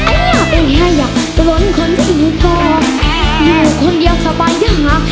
ไอ้หยาไอ้หยาจะล้นคนที่อยู่ต่ออยู่คนเดียวสบายอย่าห่า